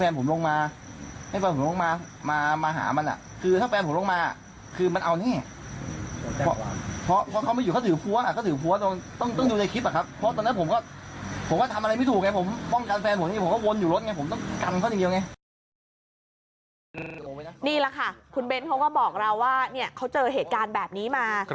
นี่แหละค่ะคุณเบ้นเขาก็บอกเราว่าเขาเจอเหตุการณ์แบบนี้มา